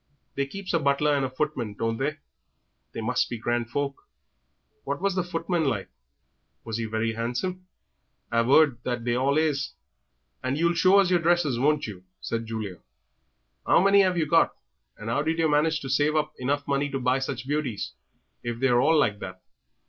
They keeps a butler and a footman, don't they? They must be grand folk. And what was the footman like? Was he very handsome? I've 'eard that they all is." "And you'll show us yer dresses, won't you?" said Julia. "How many 'ave you got, and 'ow did yer manage to save up enough money to buy such beauties, if they're all like that?"